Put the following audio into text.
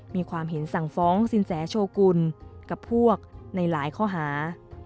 มีความเห็นสั่งฟ้องสินแสโชกุลกับพวกในหลายข้อหา